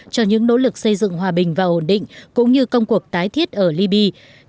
cho những nỗ lực xây dựng hòa bình và ổn định cũng như công cuộc tái thiết ở libya